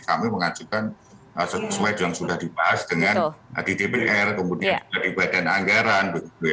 yang sudah dianggarkan sesuai yang sudah dibahas dengan dtpr kemudian juga di badan anggaran